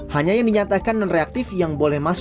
hanya yang dinyatakan nonreaktif yang boleh manfaat